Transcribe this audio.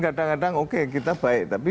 kadang kadang oke kita baik tapi